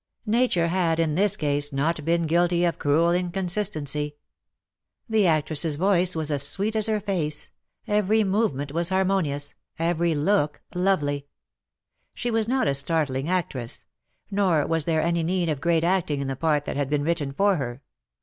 Nature had in this case not been guilty of cruel inconsistency. 220 CUPID AND PSYCHE. The actress's voice was as sweet as her face; every movement was harmonious ; every look lovely. She was not a startling actress ; nor was there any need of great acting in the part that had been written for her.